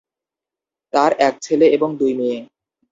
তার এক ছেলে এবং দুই মেয়ে।